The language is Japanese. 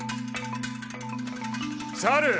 猿！